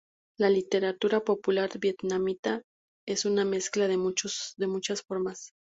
La literatura popular vietnamita es una mezcla de muchas formas.